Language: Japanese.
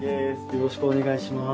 よろしくお願いします。